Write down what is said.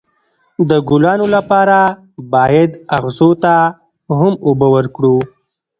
د ګلانو لپاره باید اغزو ته هم اوبه ورکړو.